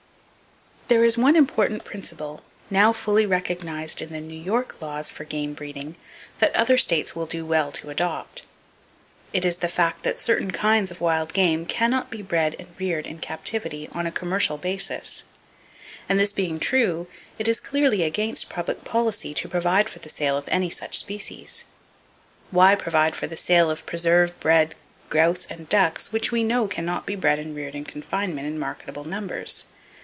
There is one important principle now fully recognized in the New York laws for game breeding that other states will do well to adopt. It is the fact that certain kinds of wild game can not be bred and reared in captivity on a commercial basis; and this being true, it is clearly against public policy to provide for the sale of any such species. Why provide for the sale of preserve bred grouse and ducks which we know can not be bred and reared in confinement in marketable numbers?